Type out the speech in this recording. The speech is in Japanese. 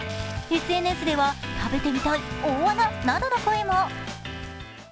ＳＮＳでは、食べてみたい、大穴などの声も。